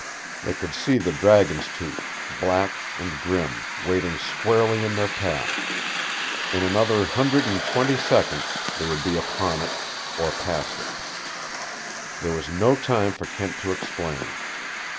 They could see the Dragon's Tooth, black and grim, waiting squarely in their path. In another hundred and twenty seconds they would be upon it or past it. There was no time for Kent to explain.